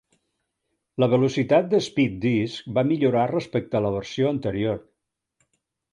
La velocitat de Speed Disk va millorar respecte a la versió anterior.